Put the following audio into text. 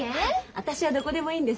私はどこでもいいんです。